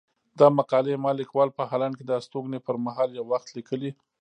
دا مقالې ما ليکوال په هالنډ کې د استوګنې پر مهال يو وخت ليکلي.